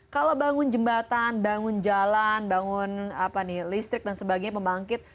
kalau bangun jembatan bangun jalan bangun listrik dan sebagainya pembangkit